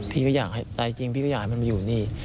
พี่ก็อยากให้ตายจริงพี่ก็อยากให้มันมาอยู่นี่